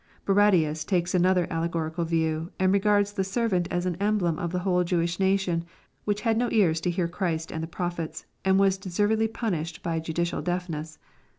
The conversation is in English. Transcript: Barradius takes another allegorical view, and regards the ser vant as an emblem of the whole Jewish nation, which had no ears to hear Christ and the prophets, and was deservedly punished by judicial deafness.